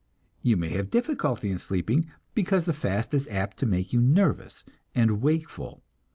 You may have difficulty in sleeping, because the fast is apt to make you nervous and wakeful.